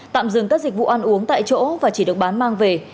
tạm dừng các dịch vụ ăn uống tại chỗ và chỉ được bán mang về